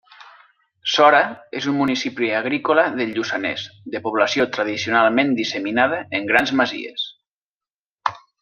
Sora és un municipi agrícola del Lluçanès de població tradicionalment disseminada en grans masies.